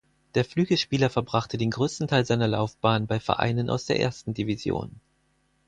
Der Flügelspieler verbrachte den größten Teil seiner Laufbahn bei Vereinen aus der Ersten Division.